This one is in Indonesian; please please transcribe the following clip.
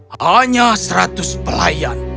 hanya seratus pelayan